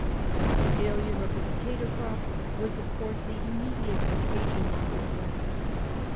The failure of the potato crop was of course the immediate occasion of this letter.